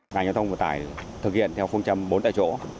ngành giao thông của tài thực hiện theo phương chấm bốn tại chỗ